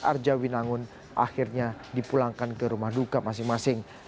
arjawinangun akhirnya dipulangkan ke rumah duka masing masing